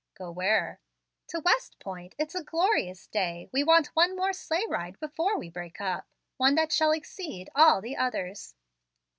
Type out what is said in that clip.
"Go where?" "To West Point. It's a glorious day. We want one more sleigh ride before we break up, one that shall exceed all the others.